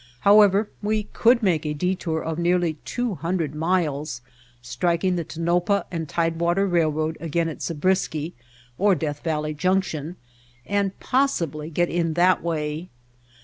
However, we could make a detour of nearly two hundred miles, striking the Tonopah and Tidewater Railroad again at Zabrisky or Death Valley Junction, and possibly get in that way.